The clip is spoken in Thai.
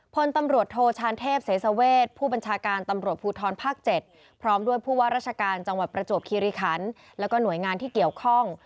พลตำรวจโทชานเทพเสสเวชผู้บัญชาการตำรวจภูทรภาค๗พร้อมด้วยผู้ว่าราชการจังหวัดประจวบคิริคันแล้วก็หน่วยงานที่เกี่ยวข้อง